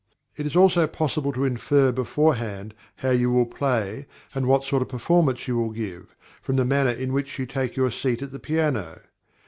It is also possible to infer beforehand how you will play and what sort of a performance you will give, from the manner in which you take your seat at the piano.